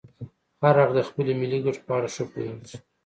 هر اړخ د خپلو ملي ګټو په اړه ښه پوهیږي